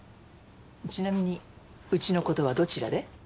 ちなみにうちのことはどちらで？